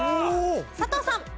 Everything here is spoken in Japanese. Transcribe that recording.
佐藤さん。